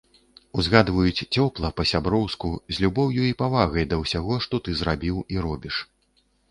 Узгадваюць цёпла, па-сяброўску, з любоўю і павагай да ўсяго, што ты зрабіў і робіш.